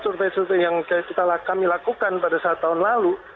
survei survei yang kami lakukan pada saat tahun lalu